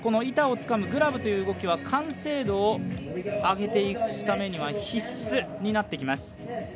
板をつかむグラブという動きは完成度を上げていくためには必須となってきます。